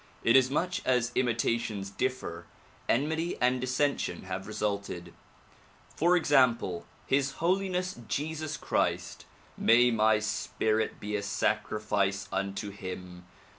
Inasmuch as imitations dift'er, enmity and dissension have resulted. For example, His Holiness Jesus Christ — may my spirit be a sacrifice unto him!